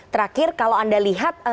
terakhir kalau anda lihat